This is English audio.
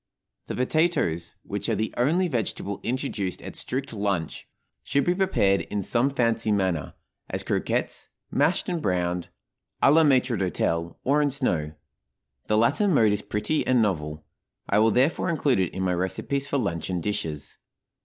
The potatoes, which are the only vegetable introduced at strict lunch, should be prepared in some fancy manner, as croquettes, mashed and browned, à la maître d'hôtel, or in snow. The latter mode is pretty and novel; I will, therefore, include it in my recipes for luncheon dishes.